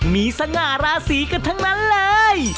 มีสง่าราศีกันทั้งนั้นเลย